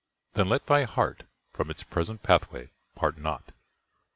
—then let thy heart From its present pathway part not!